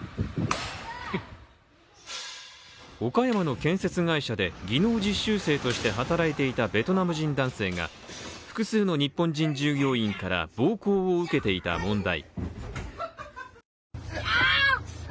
岡山の建設会社で技能実習生として働いたベトナム人男性が複数の日本人従業員から暴行を受けていた問題。